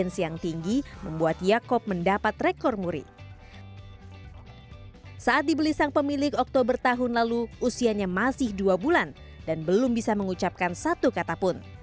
saya sudah dua bulan dan belum bisa mengucapkan satu kata pun